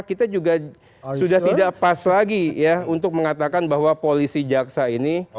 kita juga sudah tidak pas lagi ya untuk mengatakan bahwa polisi jaksa ini